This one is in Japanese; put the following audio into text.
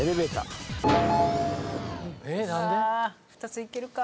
２ついけるか？